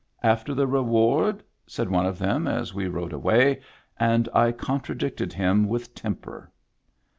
" After the reward ?" said one of them as we rode away, and I contradicted him with temper.